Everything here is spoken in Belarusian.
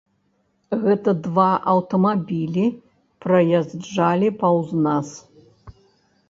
Гэта два аўтамабілі праязджалі паўз нас.